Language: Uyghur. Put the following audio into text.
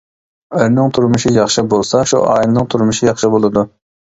ئەرنىڭ تۇرمۇشى ياخشى بولسا، شۇ ئائىلىنىڭ تۇرمۇشى ياخشى بولىدۇ.